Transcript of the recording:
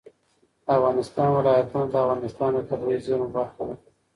د افغانستان ولايتونه د افغانستان د طبیعي زیرمو برخه ده.